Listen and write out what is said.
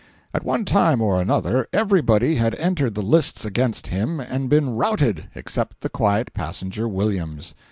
At one time or another, everybody had entered the lists against him and been routed, except the quiet passenger Williams.